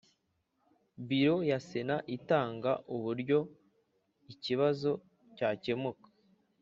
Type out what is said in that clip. Biro ya sena itanga uburyo ikibazo cyakemuka